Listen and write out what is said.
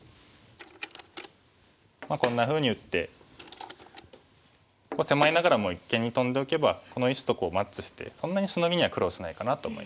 こんなふうに打って狭いながらも一間にトンでおけばこの石とマッチしてそんなにシノギには苦労しないかなと思います。